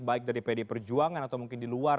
baik dari pd perjuangan atau mungkin di luar